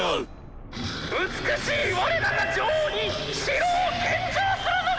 「美しい我らが女王に城を献上するのだ！」。